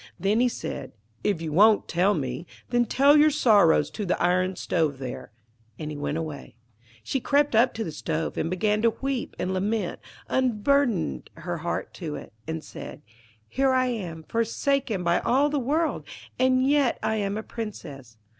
Then he said, 'If you won't tell me, then tell your sorrows to the iron stove there'; and he went away. She crept up to the stove, and, beginning to weep and lament, unburdened her heart to it, and said: 'Here I am, forsaken by all the world, and yet I am a Princess.